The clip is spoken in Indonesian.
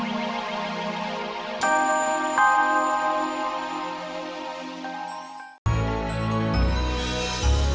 oh ini dia